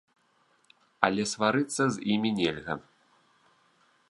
Але сварыцца з імі нельга.